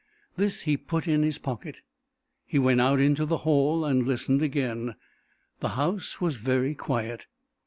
This he put in his pocket. He went out in the hall and listened again. The house was very quiet.